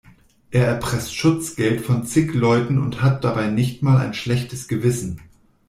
Er erpresst Schutzgeld von zig Leuten und hat dabei nicht mal ein schlechtes Gewissen.